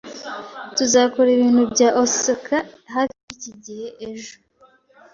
Tuzakora ibintu bya Osaka hafi yiki gihe ejo